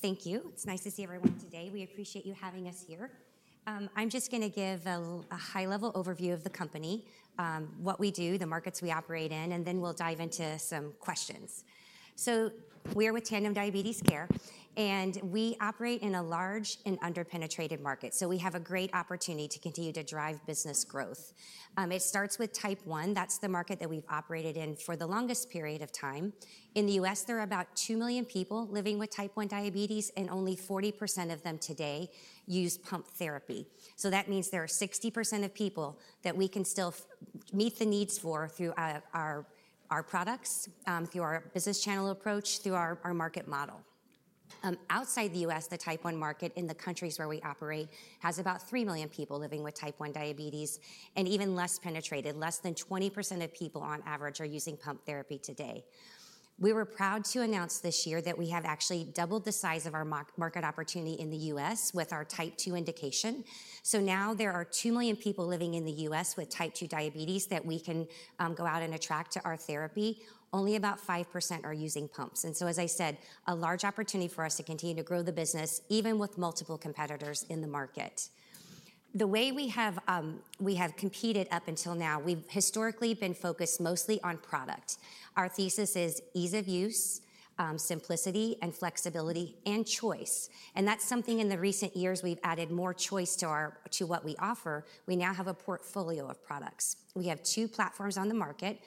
Thank you. It's nice to see everyone today. We appreciate you having us here. I'm just going to give a high-level overview of the company, what we do, the markets we operate in, and then we'll dive into some questions. We are with Tandem Diabetes Care, and we operate in a large and underpenetrated market. We have a great opportunity to continue to drive business growth. It starts with type 1. That's the market that we've operated in for the longest period of time. In the U.S., there are about 2 million people living with type 1 diabetes, and only 40% of them today use pump therapy. That means there are 60% of people that we can still meet the needs for through our products, through our business channel approach, through our market model. Outside the U.S., the type 1 market in the countries where we operate has about 3 million people living with type 1 diabetes, and even less penetrated, less than 20% of people on average are using pump therapy today. We were proud to announce this year that we have actually doubled the size of our market opportunity in the U.S. with our type 2 indication. Now there are 2 million people living in the U.S. with type 2 diabetes that we can go out and attract to our therapy. Only about 5% are using pumps. As I said, a large opportunity for us to continue to grow the business, even with multiple competitors in the market. The way we have competed up until now, we've historically been focused mostly on product. Our thesis is ease of use, simplicity, and flexibility and choice. In recent years we've added more choice to what we offer. We now have a portfolio of products. We have two platforms on the market: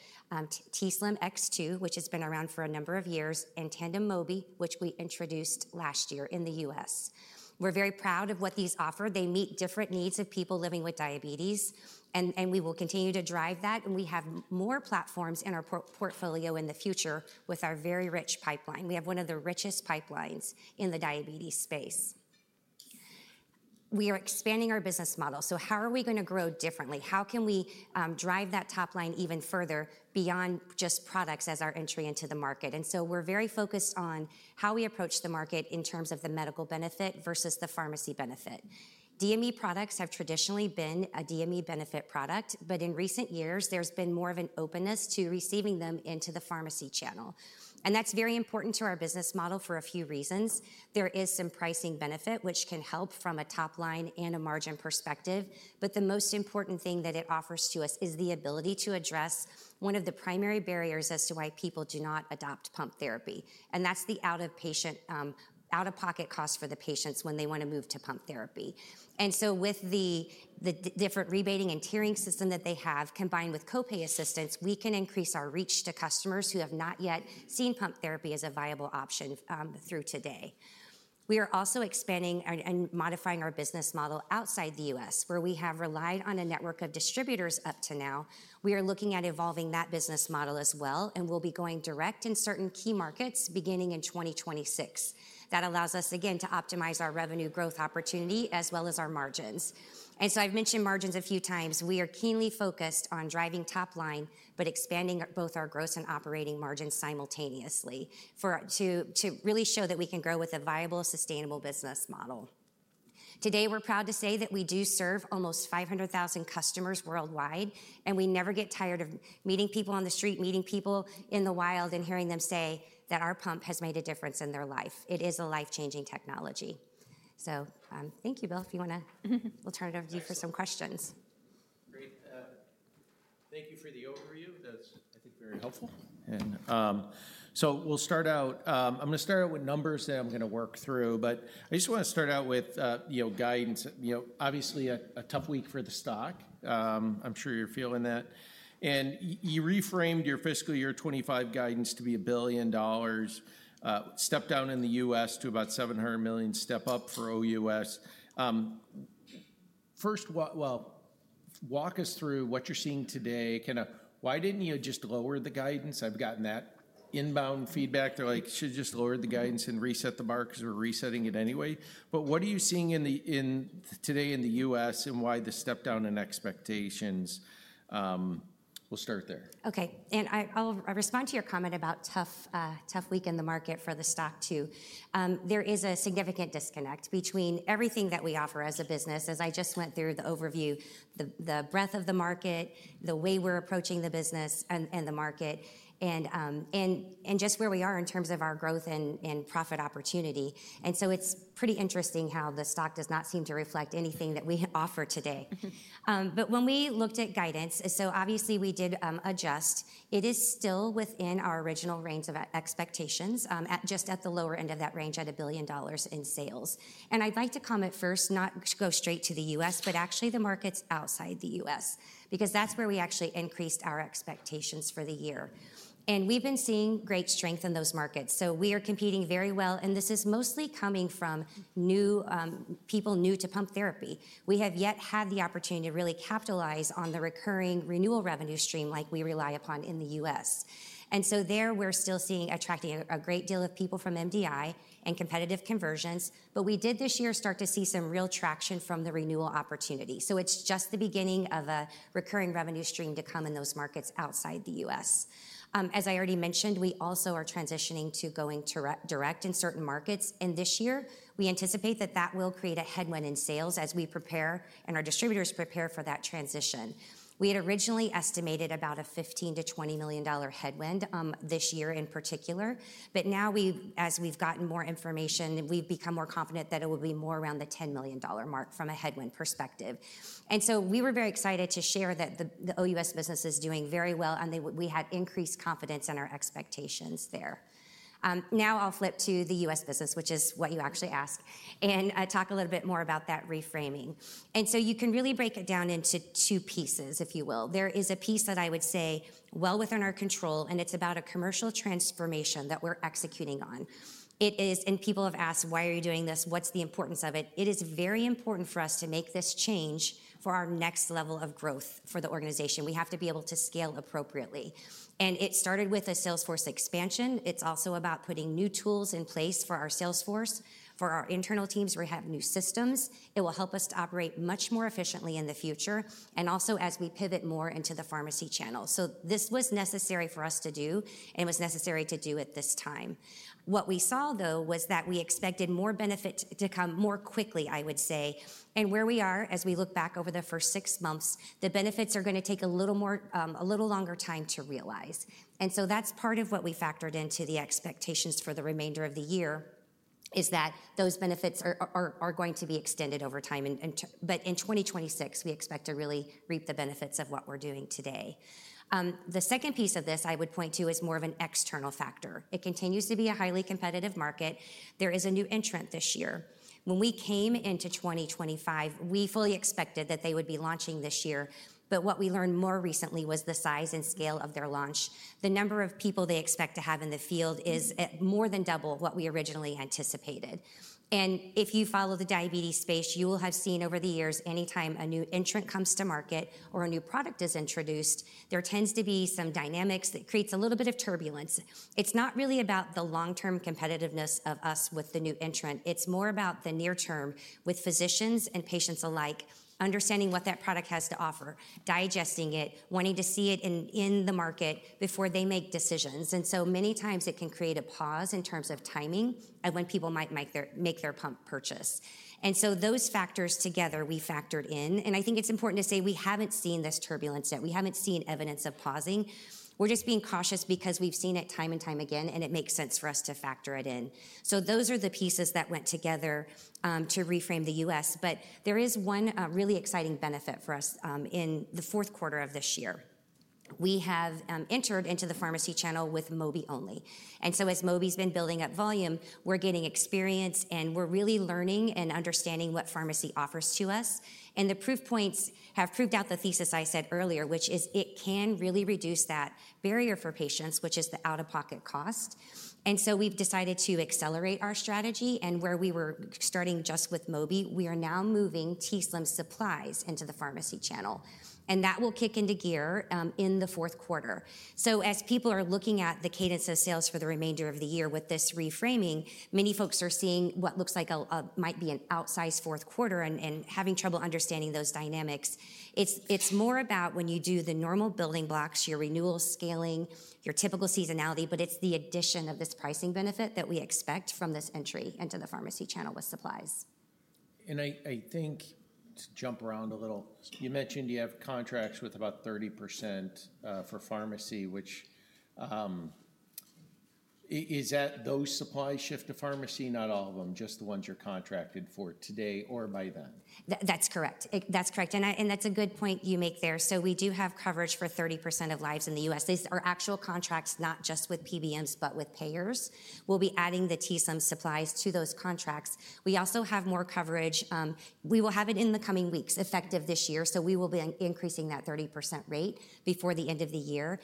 t:slim X2, which has been around for a number of years, and Tandem Mobi, which we introduced last year in the U.S. We're very proud of what these offer. They meet different needs of people living with diabetes, and we will continue to drive that. We have more platforms in our portfolio in the future with our very rich pipeline. We have one of the richest pipelines in the diabetes space. We are expanding our business model. How are we going to grow differently? How can we drive that top line even further beyond just products as our entry into the market? We are very focused on how we approach the market in terms of the medical benefit versus the pharmacy benefit. DME products have traditionally been a DME benefit product, but in recent years, there's been more of an openness to receiving them into the pharmacy channel. That's very important to our business model for a few reasons. There is some pricing benefit, which can help from a top line and a margin perspective. The most important thing that it offers to us is the ability to address one of the primary barriers as to why people do not adopt pump therapy. That's the out-of-pocket cost for the patients when they want to move to pump therapy. With the different rebating and tiering system that they have, combined with co-pay assistance, we can increase our reach to customers who have not yet seen pump therapy as a viable option through today. We are also expanding and modifying our business model outside the U.S., where we have relied on a network of distributors up to now. We are looking at evolving that business model as well, and we'll be going direct in certain key markets beginning in 2026. That allows us again to optimize our revenue growth opportunity as well as our margins. I've mentioned margins a few times. We are keenly focused on driving top line, but expanding both our gross and operating margins simultaneously to really show that we can grow with a viable, sustainable business model. Today, we're proud to say that we do serve almost 500,000 customers worldwide, and we never get tired of meeting people on the street, meeting people in the wild, and hearing them say that our pump has made a difference in their life. It is a life-changing technology. Thank you, Bill. If you want to, we'll turn it over to you for some questions. Great. Thank you for the overview. That's, I think, very helpful. I'm going to start out with numbers that I'm going to work through, but I just want to start out with guidance. Obviously a tough week for the stock. I'm sure you're feeling that. You reframed your fiscal year 2025 guidance to be $1 billion. Step down in the U.S. to about $700 million. Step up for international markets. First, walk us through what you're seeing today. Kind of, why didn't you just lower the guidance? I've gotten that inbound feedback. They're like, should just lower the guidance and reset the bar because we're resetting it anyway. What are you seeing today in the U.S. and why the step down in expectations? We'll start there. Okay. I'll respond to your comment about a tough week in the market for the stock too. There is a significant disconnect between everything that we offer as a business, as I just went through the overview, the breadth of the market, the way we're approaching the business and the market, and just where we are in terms of our growth and profit opportunity. It's pretty interesting how the stock does not seem to reflect anything that we offer today. When we looked at guidance, we did adjust. It is still within our original range of expectations, just at the lower end of that range at $1 billion in sales. I'd like to comment first, not go straight to the U.S., but actually the markets outside the U.S., because that's where we actually increased our expectations for the year. We've been seeing great strength in those markets. We are competing very well, and this is mostly coming from new people new to pump therapy. We have yet had the opportunity to really capitalize on the recurring renewal revenue stream like we rely upon in the U.S. There we're still seeing attracting a great deal of people from MDI and competitive conversions, but we did this year start to see some real traction from the renewal opportunity. It's just the beginning of a recurring revenue stream to come in those markets outside the U.S. As I already mentioned, we also are transitioning to going direct in certain markets, and this year we anticipate that that will create a headwind in sales as we prepare and our distributors prepare for that transition. We had originally estimated about a $15 million-$20 million headwind this year in particular, but now, as we've gotten more information, we've become more confident that it will be more around the $10 million mark from a headwind perspective. We were very excited to share that the OUS business is doing very well, and we had increased confidence in our expectations there. Now I'll flip to the U.S. business, which is what you actually asked, and talk a little bit more about that reframing. You can really break it down into two pieces, if you will. There is a piece that I would say well within our control, and it's about a commercial transformation that we're executing on. People have asked, why are you doing this? What's the importance of it? It is very important for us to make this change for our next level of growth for the organization. We have to be able to scale appropriately. It started with a Salesforce expansion. It's also about putting new tools in place for our Salesforce, for our internal teams where we have new systems. It will help us to operate much more efficiently in the future, and also as we pivot more into the pharmacy channel. This was necessary for us to do, and it was necessary to do at this time. What we saw, though, was that we expected more benefits to come more quickly, I would say. Where we are, as we look back over the first six months, the benefits are going to take a little longer time to realize. That's part of what we factored into the expectations for the remainder of the year, that those benefits are going to be extended over time. In 2026, we expect to really reap the benefits of what we're doing today. The second piece of this I would point to is more of an external factor. It continues to be a highly competitive market. There is a new entrant this year. When we came into 2025, we fully expected that they would be launching this year, but what we learned more recently was the size and scale of their launch. The number of people they expect to have in the field is more than double what we originally anticipated. If you follow the diabetes space, you will have seen over the years, anytime a new entrant comes to market or a new product is introduced, there tends to be some dynamics that create a little bit of turbulence. It's not really about the long-term competitiveness of us with the new entrant. It's more about the near term with physicians and patients alike, understanding what that product has to offer, digesting it, wanting to see it in the market before they make decisions. Many times it can create a pause in terms of timing and when people might make their pump purchase. Those factors together we factored in. I think it's important to say we haven't seen this turbulence yet. We haven't seen evidence of pausing. We're just being cautious because we've seen it time and time again, and it makes sense for us to factor it in. Those are the pieces that went together to reframe the US. There is one really exciting benefit for us in the fourth quarter of this year. We have entered into the pharmacy channel with Mobi only. As Mobi's been building up volume, we're getting experience, and we're really learning and understanding what pharmacy offers to us. The proof points have proved out the thesis I said earlier, which is it can really reduce that barrier for patients, which is the out-of-pocket cost. We have decided to accelerate our strategy, and where we were starting just with Mobi, we are now moving t:slim supplies into the pharmacy channel. That will kick into gear in the fourth quarter. As people are looking at the cadence of sales for the remainder of the year with this reframing, many folks are seeing what looks like might be an outsized fourth quarter and having trouble understanding those dynamics. It is more about when you do the normal building blocks, your renewal scaling, your typical seasonality, but it is the addition of this pricing benefit that we expect from this entry into the pharmacy channel with supplies. I think, to jump around a little, you mentioned you have contracts with about 30% for pharmacy, which is that those supplies shift to pharmacy, not all of them, just the ones you're contracted for today or by then. That's correct. That's correct. That's a good point you make there. We do have coverage for 30% of lives in the U.S. These are actual contracts, not just with PBMs, but with payers. We'll be adding the t:slim supplies to those contracts. We also have more coverage. We will have it in the coming weeks, effective this year. We will be increasing that 30% rate before the end of the year.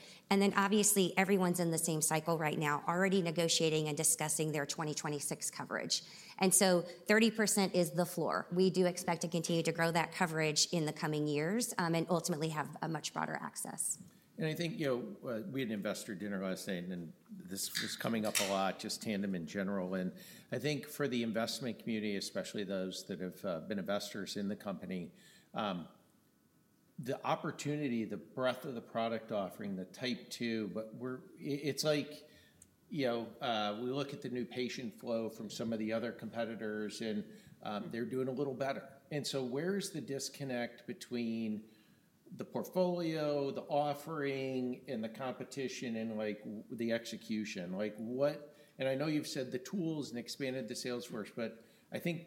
Obviously, everyone's in the same cycle right now, already negotiating and discussing their 2026 coverage. 30% is the floor. We do expect to continue to grow that coverage in the coming years and ultimately have much broader access. I think we had an investor dinner last night, and this is coming up a lot, just Tandem in general. I think for the investment community, especially those that have been investors in the company, the opportunity, the breadth of the product offering, the type 2, but it's like, we look at the new patient flow from some of the other competitors, and they're doing a little better. Where's the disconnect between the portfolio, the offering, and the competition, and the execution? I know you've said the tools and expanded the sales force, but I think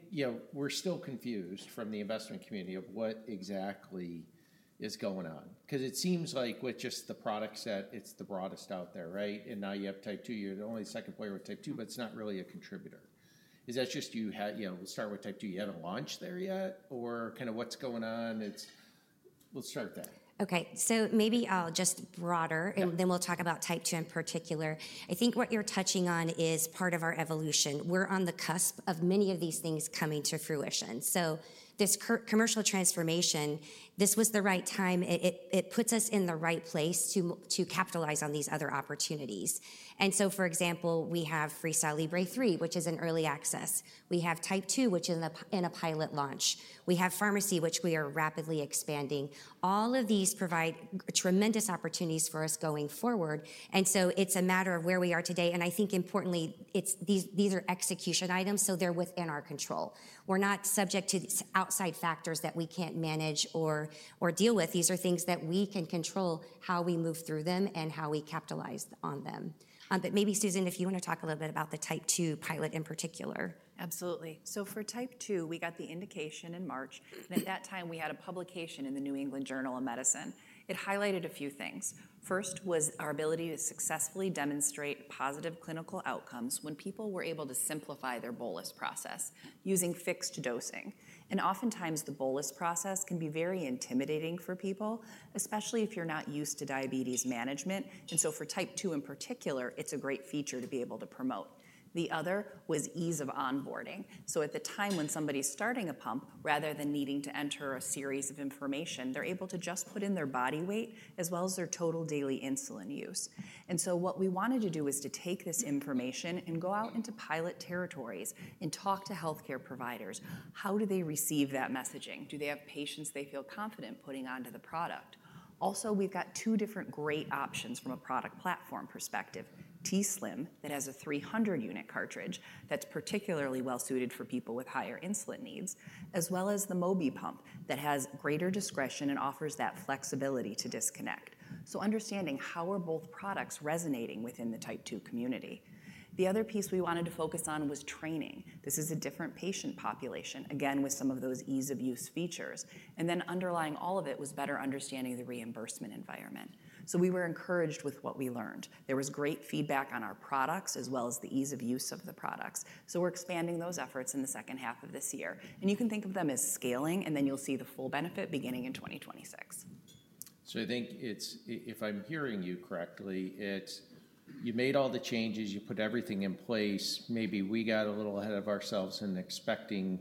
we're still confused from the investment community of what exactly is going on. It seems like with just the product set, it's the broadest out there, right? Now you have type 2, you're the only second player with type 2, but it's not really a contributor. Is that just you had, we'll start with type 2, you had a launch there yet, or kind of what's going on? We'll start with that. Okay, so maybe I'll just broaden, and then we'll talk about type 2 in particular. I think what you're touching on is part of our evolution. We're on the cusp of many of these things coming to fruition. This commercial transformation, this was the right time. It puts us in the right place to capitalize on these other opportunities. For example, we have Freestyle Libre 3, which is in early access. We have type 2, which is in a pilot launch. We have pharmacy, which we are rapidly expanding. All of these provide tremendous opportunities for us going forward. It's a matter of where we are today. I think importantly, these are execution items, so they're within our control. We're not subject to outside factors that we can't manage or deal with. These are things that we can control how we move through them and how we capitalize on them. Maybe, Susan, if you want to talk a little bit about the type 2 pilot in particular. Absolutely. For type 2, we got the indication in March, and at that time, we had a publication in the New England Journal of Medicine. It highlighted a few things. First was our ability to successfully demonstrate positive clinical outcomes when people were able to simplify their bolus process using fixed dosing. Oftentimes, the bolus process can be very intimidating for people, especially if you're not used to diabetes management. For type 2 in particular, it's a great feature to be able to promote. The other was ease of onboarding. At the time when somebody's starting a pump, rather than needing to enter a series of information, they're able to just put in their body weight as well as their total daily insulin use. What we wanted to do is to take this information and go out into pilot territories and talk to healthcare providers. How do they receive that messaging? Do they have patients they feel confident putting onto the product? We've got two different great options from a product platform perspective. t:slim that has a 300-unit cartridge that's particularly well suited for people with higher insulin needs, as well as the Mobi Pump that has greater discretion and offers that flexibility to disconnect. Understanding how are both products resonating within the type 2 community. The other piece we wanted to focus on was training. This is a different patient population, again, with some of those ease-of-use features. Underlying all of it was better understanding the reimbursement environment. We were encouraged with what we learned. There was great feedback on our products as well as the ease of use of the products. We're expanding those efforts in the second half of this year. You can think of them as scaling, and then you'll see the full benefit beginning in 2026. I think it's, if I'm hearing you correctly, you made all the changes, you put everything in place. Maybe we got a little ahead of ourselves in expecting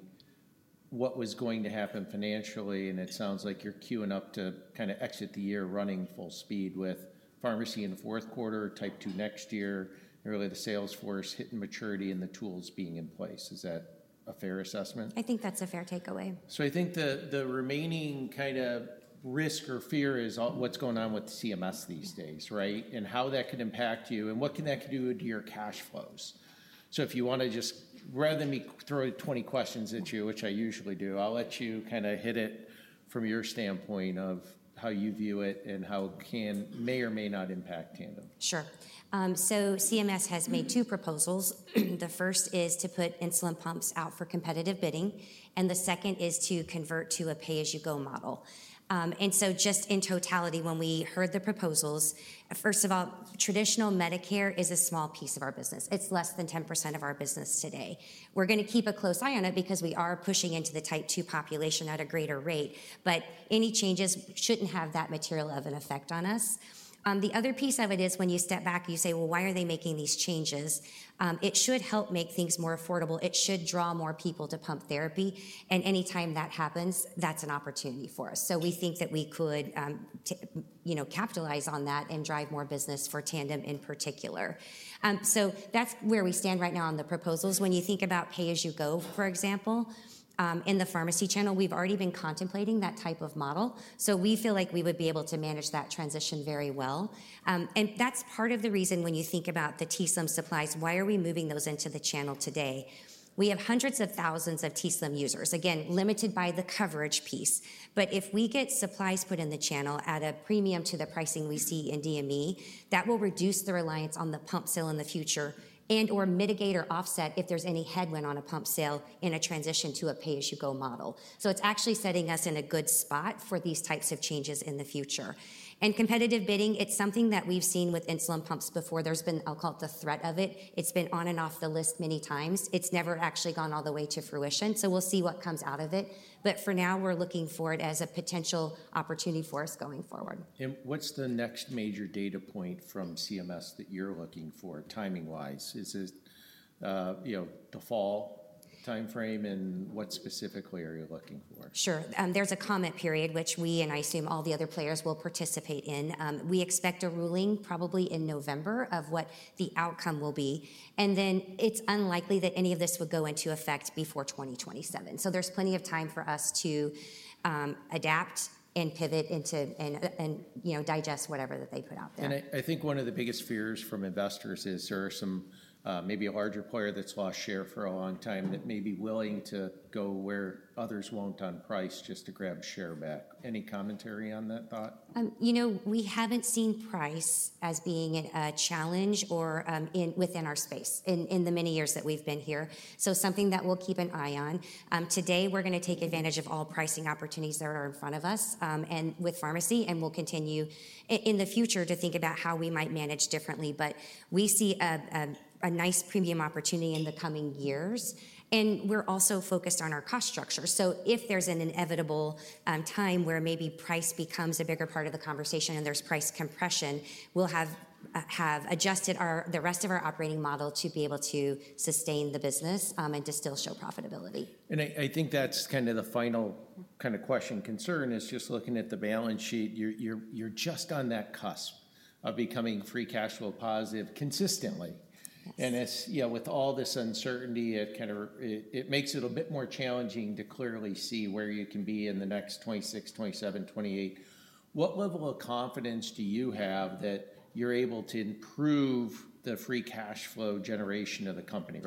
what was going to happen financially, and it sounds like you're queuing up to kind of exit the year running full speed with pharmacy in the fourth quarter, type 2 next year, and really the Salesforce hitting maturity and the tools being in place. Is that a fair assessment? I think that's a fair takeaway. I think the remaining kind of risk or fear is what's going on with the CMS these days, right? How that could impact you and what can that do to your cash flows. If you want to just, rather than me throw 20 questions at you, which I usually do, I'll let you kind of hit it from your standpoint of how you view it and how it can may or may not impact Tandem. Sure. CMS has made two proposals. The first is to put insulin pumps out for competitive bidding, and the second is to convert to a pay-as-you-go model. In totality, when we heard the proposals, first of all, traditional Medicare is a small piece of our business. It's less than 10% of our business today. We're going to keep a close eye on it because we are pushing into the type 2 population at a greater rate, but any changes shouldn't have that material of an effect on us. The other piece of it is when you step back, you say, why are they making these changes? It should help make things more affordable. It should draw more people to pump therapy. Anytime that happens, that's an opportunity for us. We think that we could capitalize on that and drive more business for Tandem in particular. That's where we stand right now on the proposals. When you think about pay-as-you-go, for example, in the pharmacy channel, we've already been contemplating that type of model. We feel like we would be able to manage that transition very well. That's part of the reason when you think about the t:slim supplies, why are we moving those into the channel today? We have hundreds of thousands of t:slim users, again, limited by the coverage piece. If we get supplies put in the channel at a premium to the pricing we see in DME, that will reduce the reliance on the pump sale in the future and/or mitigate or offset if there's any headwind on a pump sale in a transition to a pay-as-you-go model. It's actually setting us in a good spot for these types of changes in the future. Competitive bidding is something that we've seen with insulin pumps before. There's been, I'll call it the threat of it. It's been on and off the list many times. It's never actually gone all the way to fruition. We'll see what comes out of it. For now, we're looking for it as a potential opportunity for us going forward. What is the next major data point from CMS that you're looking for timing-wise? Is it the fall timeframe, and what specifically are you looking for? Sure. There's a comment period, which we and I assume all the other players will participate in. We expect a ruling probably in November of what the outcome will be. It's unlikely that any of this would go into effect before 2027. There's plenty of time for us to adapt and pivot into and, you know, digest whatever that they put out there. I think one of the biggest fears from investors is there are some, maybe a larger player that's lost share for a long time that may be willing to go where others won't on price just to grab share back. Any commentary on that thought? We haven't seen price as being a challenge within our space in the many years that we've been here. That's something that we'll keep an eye on. Today, we're going to take advantage of all pricing opportunities that are in front of us with pharmacy, and we'll continue in the future to think about how we might manage differently. We see a nice premium opportunity in the coming years. We're also focused on our cost structure. If there's an inevitable time where maybe price becomes a bigger part of the conversation and there's price compression, we'll have adjusted the rest of our operating model to be able to sustain the business and to still show profitability. I think that's kind of the final question concern, just looking at the balance sheet. You're just on that cusp of becoming free cash flow positive consistently. As you know, with all this uncertainty, it makes it a bit more challenging to clearly see where you can be in 2026, 2027, 2028. What level of confidence do you have that you're able to improve the free cash flow generation of the company?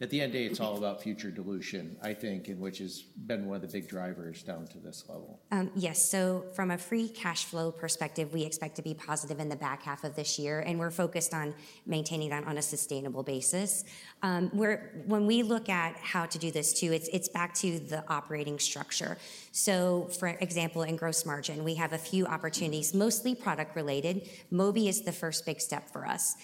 At the end of the day, it's all about future dilution, I think, which has been one of the big drivers down to this level. Yes. From a free cash flow perspective, we expect to be positive in the back half of this year, and we're focused on maintaining that on a sustainable basis. When we look at how to do this too, it's back to the operating structure. For example, in gross margin, we have a few opportunities, mostly product-related. Mobi is the first big step for us.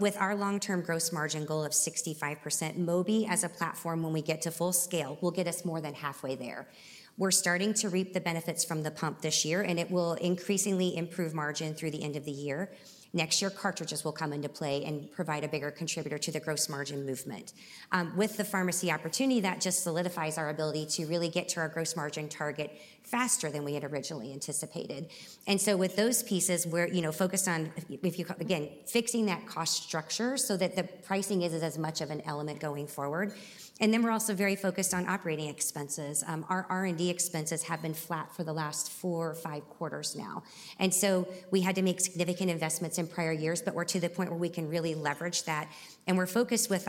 With our long-term gross margin goal of 65%, Mobi as a platform, when we get to full scale, will get us more than halfway there. We're starting to reap the benefits from the pump this year, and it will increasingly improve margin through the end of the year. Next year, cartridges will come into play and provide a bigger contributor to the gross margin movement. With the pharmacy opportunity, that just solidifies our ability to really get to our gross margin target faster than we had originally anticipated. With those pieces, we're focused on, if you again, fixing that cost structure so that the pricing isn't as much of an element going forward. We're also very focused on operating expenses. Our R&D expenses have been flat for the last four or five quarters now. We had to make significant investments in prior years, but we're to the point where we can really leverage that. We're focused on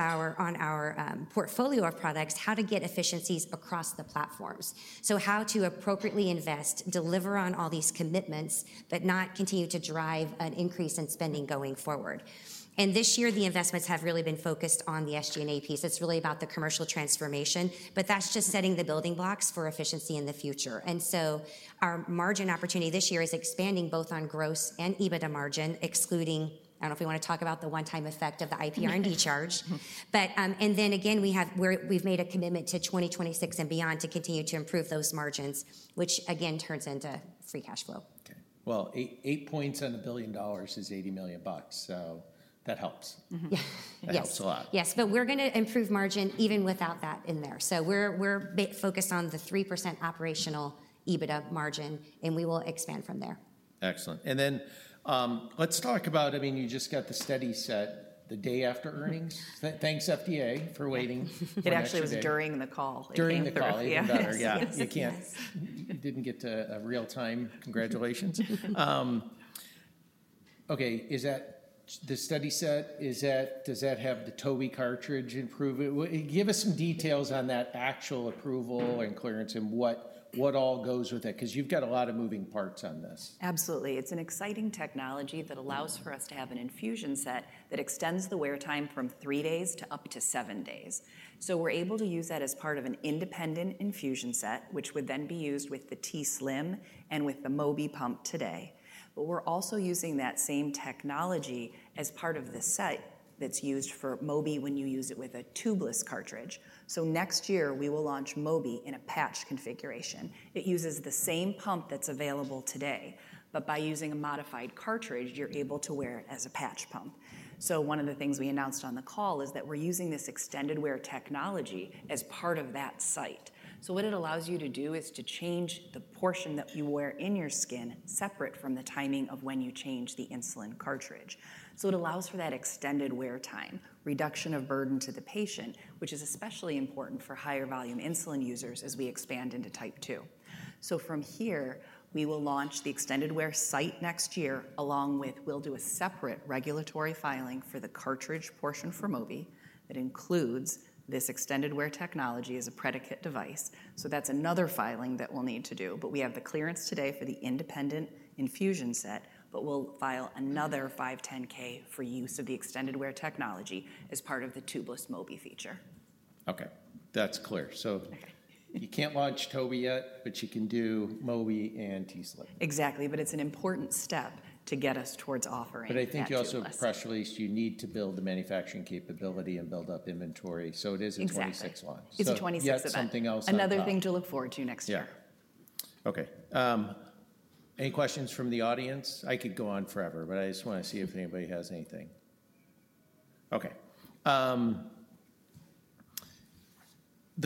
our portfolio of products, how to get efficiencies across the platforms, how to appropriately invest, deliver on all these commitments, but not continue to drive an increase in spending going forward. This year, the investments have really been focused on the SG&A piece. It's really about the commercial transformation, but that's just setting the building blocks for efficiency in the future. Our margin opportunity this year is expanding both on gross and EBITDA margin, excluding, I don't know if we want to talk about the one-time effect of the IPR&D charge. We've made a commitment to 2026 and beyond to continue to improve those margins, which again turns into free cash flow. Okay. Eight points and $1 billion is $80 million. That helps. That helps a lot. Yes, we are going to improve margin even without that in there. We are focused on the 3% operational EBITDA margin, and we will expand from there. Excellent. Let's talk about, I mean, you just got the study set the day after earnings. Thanks, FDA, for waiting. It actually was during the call. During the call, even better. You can't, you didn't get to it real time. Congratulations. Okay. Is that the study set? Does that have the Tobii cartridge improvement? Give us some details on that actual approval and clearance and what all goes with it, because you've got a lot of moving parts on this. Absolutely. It's an exciting technology that allows for us to have an infusion set that extends the wear time from three days to up to seven days. We're able to use that as part of an independent infusion set, which would then be used with the t:slim and with the Mobi pump today. We're also using that same technology as part of the set that's used for Mobi when you use it with a tubeless cartridge. Next year, we will launch Mobi in a patch configuration. It uses the same pump that's available today, but by using a modified cartridge, you're able to wear it as a patch pump. One of the things we announced on the call is that we're using this extended-wear technology as part of that site. What it allows you to do is to change the portion that you wear in your skin separate from the timing of when you change the insulin cartridge. It allows for that extended wear time, reduction of burden to the patient, which is especially important for higher volume insulin users as we expand into type 2 diabetes. From here, we will launch the extended-wear site next year, along with a separate regulatory filing for the cartridge portion for Mobi that includes this extended-wear technology as a predicate device. That's another filing that we'll need to do, but we have the clearance today for the independent infusion set. We'll file another 510K for use of the extended-wear technology as part of the tubeless Mobi feature. Okay. That's clear. You can't launch Tobii yet, but you can do Mobi and t:slim. Exactly, it's an important step to get us towards offering. I think you also press released, you need to build the manufacturing capability and build up inventory. It is a 2026 launch. It's a 2026 event. Another thing to look forward to next year. Okay. Any questions from the audience? I could go on forever, but I just want to see if anybody has anything. Okay. The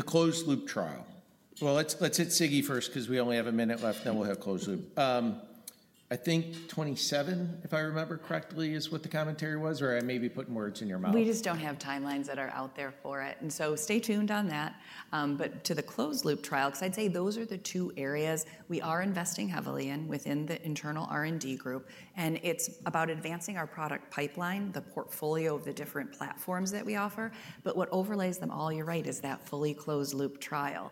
closed-loop trial. Let's hit Siggy first because we only have a minute left, then we'll hit closed-loop. I think 27, if I remember correctly, is what the commentary was, or I may be putting words in your mouth. We just don't have timelines that are out there for it. Stay tuned on that. To the closed-loop trial, I'd say those are the two areas we are investing heavily in within the internal R&D group. It's about advancing our product pipeline, the portfolio of the different platforms that we offer. What overlays them all, you're right, is that fully closed-loop trial.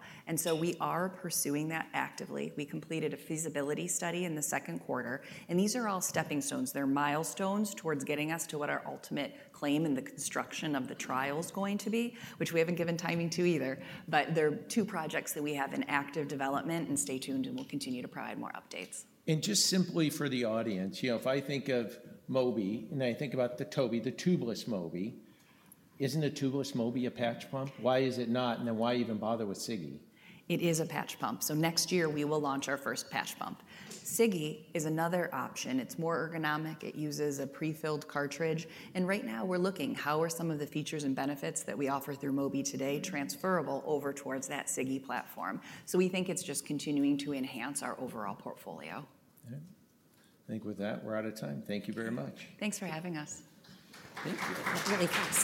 We are pursuing that actively. We completed a feasibility study in the second quarter. These are all stepping stones. They're milestones towards getting us to what our ultimate claim in the construction of the trial is going to be, which we haven't given timing to either. There are two projects that we have in active development. Stay tuned, and we'll continue to provide more updates. Just simply for the audience, you know, if I think of Mobi, and I think about the tubeless Mobi, isn't the tubeless Mobi a patch pump? Why is it not? Why even bother with Siggy? It is a patch pump. Next year, we will launch our first patch pump. Siggy is another option. It's more ergonomic. It uses a prefilled cartridge. Right now, we're looking at how some of the features and benefits that we offer through Mobi today are transferable over towards that Siggy platform. We think it's just continuing to enhance our overall portfolio. I think with that, we're out of time. Thank you very much. Thanks for having us. Thank you. Have a great last.